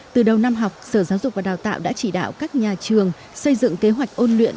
từ đầu năm học sở giáo dục và đào tạo đã chỉ đạo các nhà trường xây dựng kế hoạch ôn luyện